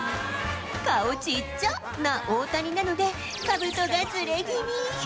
顔ちっちゃな大谷なので、かぶとがずれ気味。